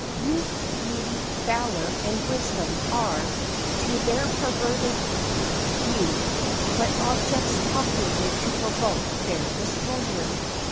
Youth, beauty, valor, and wisdom are, to their perverted view, but objects calculated to provoke their displeasure.